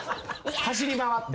走り回って。